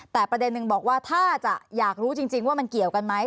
แต่ประเด็นหนึ่งบอกว่าถ้าจะอยากรู้จริงว่ามันเกี่ยวกันไหม